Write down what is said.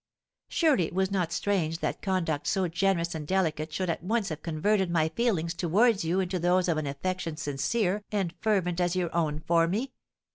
Surely it was not strange that conduct so generous and delicate should at once have converted my feelings towards you into those of an affection sincere and fervent as your own for me.